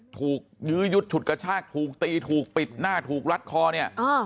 ยื้อยุดฉุดกระชากถูกตีถูกปิดหน้าถูกรัดคอเนี่ย